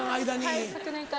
はい昨年から。